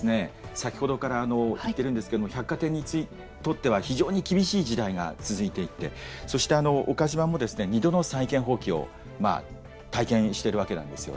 先ほどから言っているんですけども百貨店にとっては非常に厳しい時代が続いていてそしてあの岡島もですね２度の債権放棄を体験しているわけなんですよね。